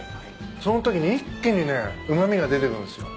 そのときに一気にねうま味が出てくるんすよ。